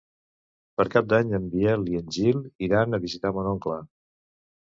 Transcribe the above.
Per Cap d'Any en Biel i en Gil iran a visitar mon oncle.